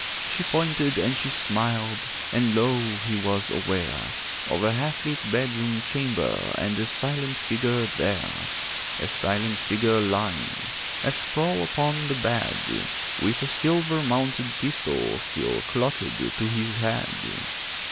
She pointed and she smiled, And lo! he was aware Of a half lit bedroom chamber And a silent figure there. A silent figure lying A sprawl upon a bed, With a silver mounted pistol Still clotted to his head.